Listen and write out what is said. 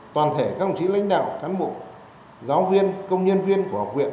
toàn thể các công trí lãnh đạo cán bộ giáo viên công nhân viên của học viện